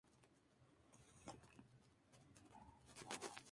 En la grabadora le piden que siga grabando en italiano.